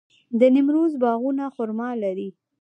د نیمروز باغونه خرما لري.